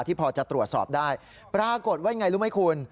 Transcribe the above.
พอจะตรวจสอบได้ปรากฏว่ายังไงรู้ไหมคุณ